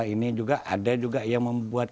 nah ini juga ada yang membuat